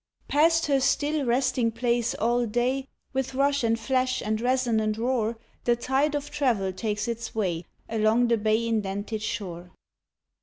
Past her still resting place all day, With rush and flash and resonant roar, The tide of travel takes its way Along the bay indented shore.